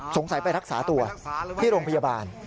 สงสัยไปรักษาตัวที่โรงพยาบาล